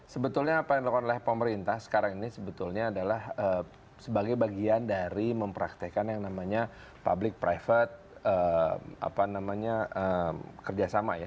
sebetulnya apa yang dilakukan oleh pemerintah sekarang ini sebetulnya adalah sebagai bagian dari mempraktekan yang namanya public private kerjasama ya